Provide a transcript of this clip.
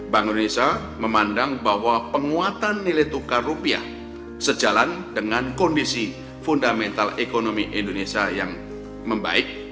bank indonesia memandang bahwa penguatan nilai tukar rupiah sejalan dengan kondisi fundamental ekonomi indonesia yang membaik